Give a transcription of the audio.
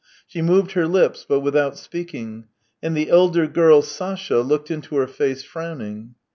She moved her lips, but without speaking; and the elder girl, Sasha, looked into her face, frowning.